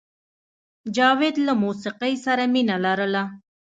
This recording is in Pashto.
جاوید له موسیقۍ سره مینه لرله